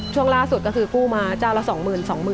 ช่วงล่าสุดก็คือกู้มาเจ้าละ๒๐๐๒๐๐๐